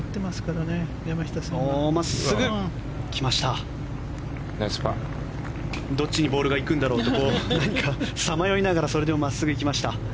どっちにボールが行くんだろうとさまよいながらそれでも真っすぐ行きました。